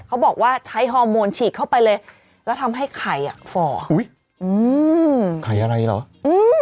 เขาบอกว่าใช้ฮอร์โมนฉีกเข้าไปเลยแล้วทำให้ไข่อ่ะฝ่ออุ้ยอืมไข่อะไรเหรออืม